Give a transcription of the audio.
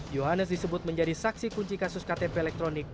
johannes disebut menjadi saksi kunci kasus ktp elektronik